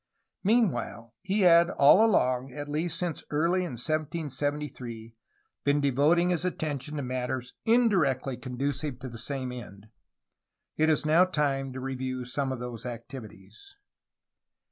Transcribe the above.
Meanwhile, he had all along, at least since early in 1773, been devoting his at tention to matters indirectly conducive to the same end. It is now time to review some of these activities.